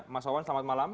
mas wawan selamat malam